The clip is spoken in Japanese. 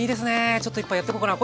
ちょっと１杯やってこうかな。